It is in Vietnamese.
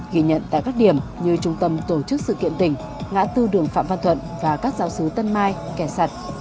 ghi nhận tại các điểm như trung tâm tổ chức sự kiện tỉnh ngã tư đường phạm văn thuận